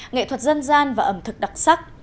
nghệ thuật dân gian và ẩm thực đặc sắc